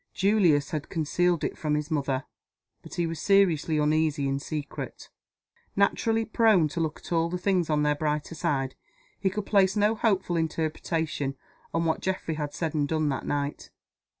Julius had concealed it from his mother but he was seriously uneasy in secret. Naturally prone to look at all things on their brighter side, he could place no hopeful interpretation on what Geoffrey had said and done that night.